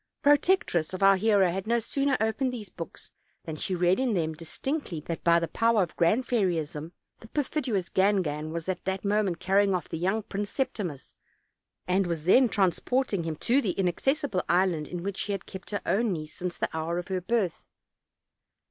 The protectress of our hero had no sooner opened these books than she read in them distinctly that by the power of Grand Fairyism the perfidious Gangan was at that moment carrying off the young Prince Septi mus, and was then transporting him to the inaccessible island in which she had kept her own niece since the hour of her birth.